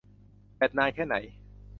แบตนานแค่ไหน ?